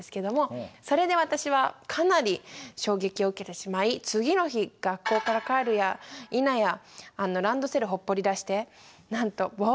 それで私はかなり衝撃を受けてしまい次の日学校から帰るやいなやランドセルをほっぽり出してなんと冒険に出かけたんですね。